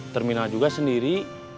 terminal juga sendiri